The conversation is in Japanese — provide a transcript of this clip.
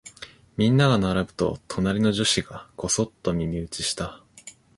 みんなが並ぶと、隣の女子がこそっと耳打ちした。